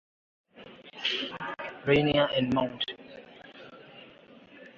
Rainier and Mt.